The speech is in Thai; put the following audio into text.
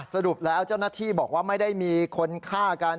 สรุปแล้วเจ้าหน้าที่บอกว่าไม่ได้มีคนฆ่ากัน